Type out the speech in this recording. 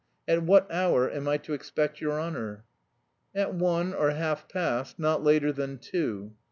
At what hour am I to expect your honour?" "At one or half past, not later than two."